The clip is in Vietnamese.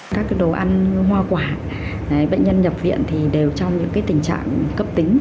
các đồ ăn hoa quả bệnh nhân nhập viện thì đều trong những tình trạng cấp tính